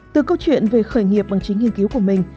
từ câu chuyện về khởi nghiệp bằng chính nghiên cứu của mình